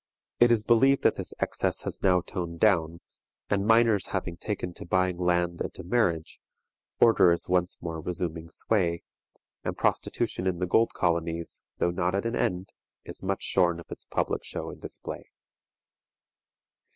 It is believed that this excess has now toned down, and miners having taken to buying land and to marriage, order is once more resuming sway, and prostitution in the gold colonies, though not at an end, is much shorn of its public show and display.